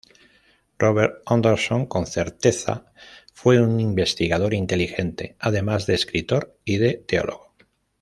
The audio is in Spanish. Robert Anderson con certeza fue un investigador inteligente, además de escritor y de teólogo.